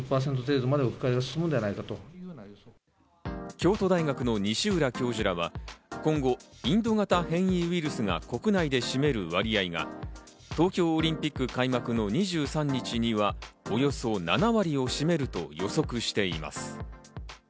京都大学の西浦教授らは、今後インド型変異ウイルスが国内で占める割合が東京オリンピック開幕の２３日には、およそ７割を占めると予測しています。